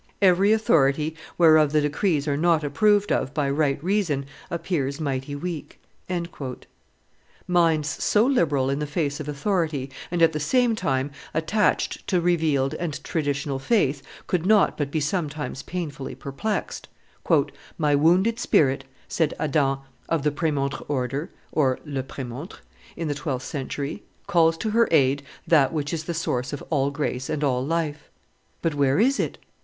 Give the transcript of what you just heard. Every authority whereof the decrees are not approved of by right reason appears mighty weak." Minds so liberal in the face of authority, and at the same time attached to revealed and traditional faith, could not but be sometimes painfully perplexed. "My wounded spirit," said Adam of the Premontre order (le premontre), in the twelfth century, "calls to her aid that which is the source of all grace and all life. But where is it?